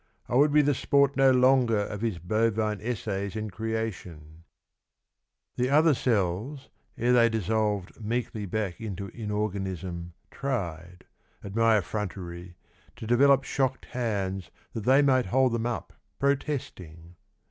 I would be the sport no longer Of his bovine essays in creation ! The other cells, Ere they dissolved meekly back Into inorganism Tried, at my effrontery To develop shocked hands That they might hold them up protesting.